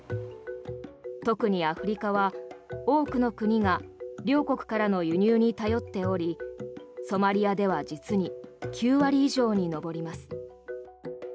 特にアフリカは多くの国が両国からの輸入に頼っておりソマリアでは実に９割以上に上ります。